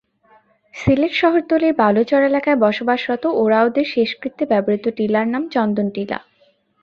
সিলেট শহরতলির বালুচর এলাকায় বসবাসরত ওঁরাওদের শেষকৃত্যে ব্যবহূত টিলার নাম চন্দনটিলা।